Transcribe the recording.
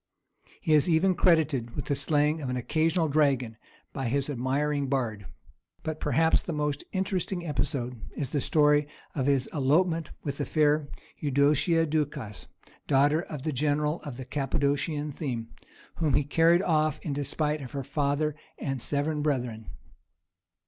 He is even credited with the slaying of an occasional dragon by his admiring bard. But perhaps the most interesting episode is the story of his elopement with the fair Eudocia Ducas, daughter of the general of the Cappadocian theme, whom he carried off in despite of her father and seven brethren.